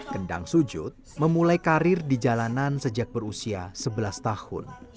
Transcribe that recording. kendang sujud memulai karir di jalanan sejak berusia sebelas tahun